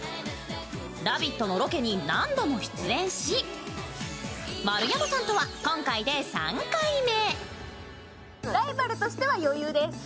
「ラヴィット！」のロケに何度も出演し丸山さんとは今回で３回目。